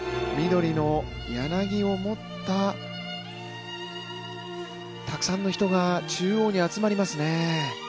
緑の柳を持ったたくさんの人が中央に集まりますね。